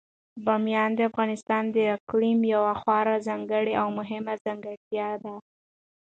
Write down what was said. بامیان د افغانستان د اقلیم یوه خورا ځانګړې او مهمه ځانګړتیا ده.